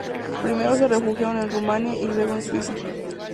Primero se refugiaron en Rumania y luego en Suiza.